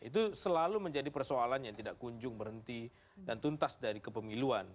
itu selalu menjadi persoalan yang tidak kunjung berhenti dan tuntas dari kepemiluan